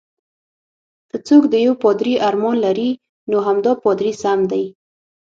که څوک د یو پادري ارمان لري، نو همدا پادري سم دی.